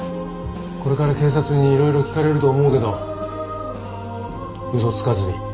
これから警察にいろいろ聞かれると思うけどうそつかずにちゃんと説明するんだぞ。